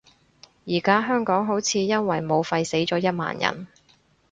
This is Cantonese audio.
而家香港好似因為武肺死咗一萬人